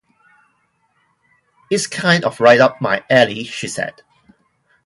It's kind of right up my alley, she said.